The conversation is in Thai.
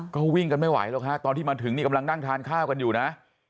ก็วิ่งกันไม่ไหวหรอกฮะตอนที่มาถึงนี่กำลังนั่งทานข้าวกันอยู่นะ